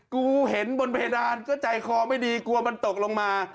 กูเห็นบนเพดานก็ใจคอไม่ดีกลัวมันตกลงมา